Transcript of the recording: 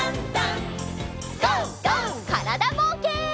からだぼうけん。